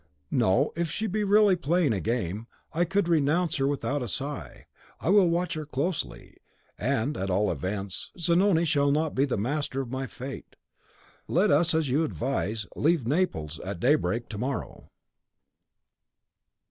"No; if she be really playing a game, I could renounce her without a sigh. I will watch her closely; and, at all events, Zanoni shall not be the master of my fate. Let us, as you advise, leave Naples at daybreak to morrow."